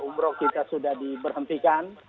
umroh kita sudah diberhentikan